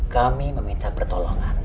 kami meminta pertolongan